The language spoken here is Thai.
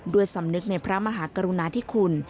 สำนึกในพระมหากรุณาธิคุณ